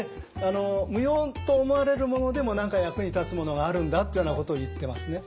無用と思われるものでも何か役に立つものがあるんだっていうようなことを言ってますね。